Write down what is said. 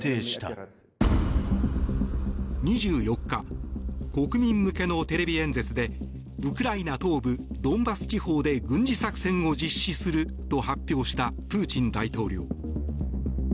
２４日国民向けのテレビ演説でウクライナ東部ドンバス地方で軍事作戦を実施すると発表したプーチン大統領。